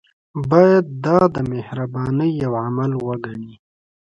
باید دا د مهربانۍ یو عمل وګڼي.